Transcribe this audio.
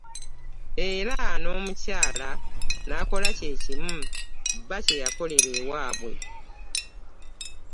Era n'omukyala n'akola kye kimu bba kye yakolera ewabwe.